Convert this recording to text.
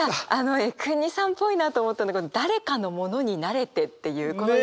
江國さんっぽいなと思ったのが「誰かのものになれて」っていうこの言い方。